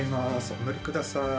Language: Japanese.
おのりください。